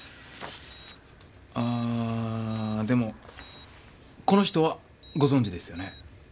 あーでもこの人はご存じですよね？